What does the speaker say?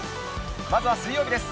まずは水曜日です。